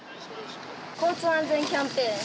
交通安全キャンペーン。